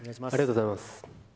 ありがとうございます。